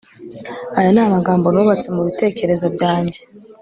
aya ni amagambo nubatse mubitekerezo byanjye